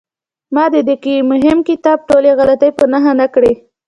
ما د دې مهم کتاب ټولې غلطۍ په نښه نه کړې.